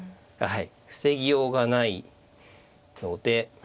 はい防ぎようがないので。